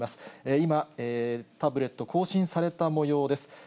今、タブレット更新されたもようです。